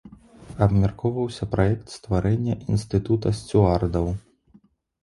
Абмяркоўваўся праект стварэння інстытута сцюардаў.